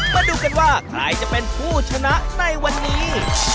มาดูกันว่าใครจะเป็นผู้ชนะในวันนี้